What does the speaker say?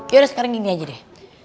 yaudah sekarang gini aja deh